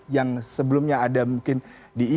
yang sebelumnya ada mungkin di